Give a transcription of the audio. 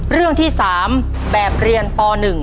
เรื่องที่๓แบบเรียนป๑